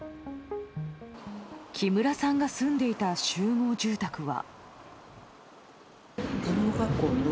木村さんが住んでいた集合住宅は。